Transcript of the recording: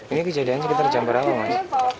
ini kejadian sekitar jam berapa mas